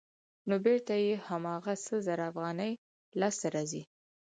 نو بېرته یې هماغه سل زره افغانۍ لاسته راځي